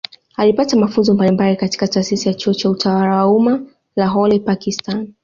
Alipata mafunzo mbalimbali katika Taasisi ya Chuo cha Utawala wa Umma Lahore Pakistani